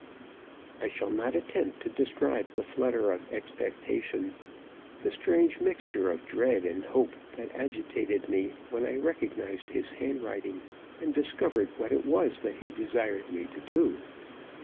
I shall not attempt to describe the flutter of expectation, the strange mixture of dread and hope that agitated me when I recognized his handwriting, and discovered what it was that he desired me to do.